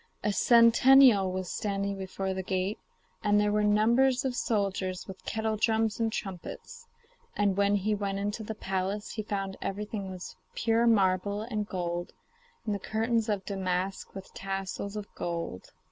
A sentinel was standing before the gate, and there were numbers of soldiers with kettledrums and trumpets. And when he went into the palace, he found everything was of pure marble and gold, and the curtains of damask with tassels of gold.